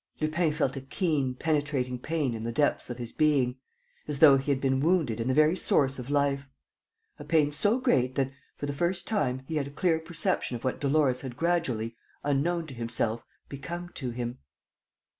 Lupin felt a keen, penetrating pain in the depths of his being, as though he had been wounded in the very source of life; a pain so great that, for the first time, he had a clear perception of what Dolores had gradually, unknown to himself, become to him.